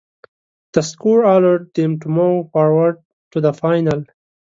The score allowed them to move forward to the final.